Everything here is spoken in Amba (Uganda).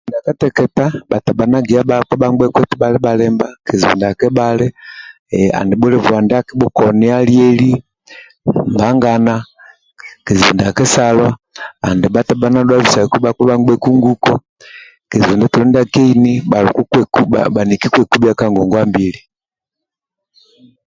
Ndia kateketa bhatabhani gia bhakpa bhangbheku eri bhali bhalimba ndia kebhali andi bhulibwa ndia akibhukonia lieli mbagana kizibu ndia kesalo andi bhatabhana dhua bisaku bhakpa bhangbheku nguko kizibu ndia keini andi bhatabhana kwekubhia ka ngongwa mbili